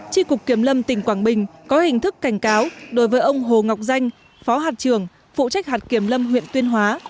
tri cục kiểm lâm tỉnh quảng bình có hình thức cảnh cáo đối với ông hồ ngọc danh phó hạt trưởng phụ trách hạt kiểm lâm huyện tuyên hóa